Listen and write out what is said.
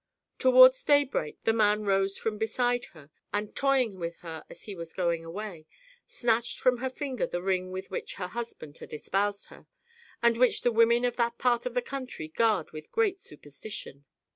Towards daybreak the man rose from beside her, and toying with her as he was going away, snatched from her finger the ring with which her husband had espoused her, and which the women of that part of the country guard with great superstition.